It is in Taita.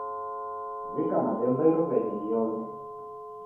W'ika mabemba iruwenyi ghiome